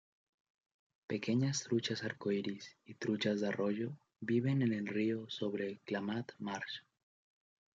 Pequeñas truchas arcoiris y truchas de arroyo viven en el río sobre Klamath Marsh.